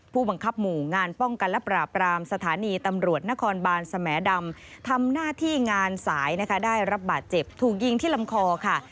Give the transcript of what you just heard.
ผู้บังคับหมู่งานป้องกันและปราบรามสถานีตำรวจนครบานสแหมดำทำหน้าที่งานสายนะคะได้รับบาดเจ็บถูกยิงที่ลำคอค่ะ